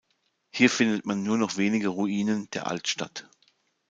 Hier findet man nur noch wenige Ruinen der Altstadt.